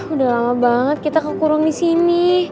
udah lama banget kita kekurung disini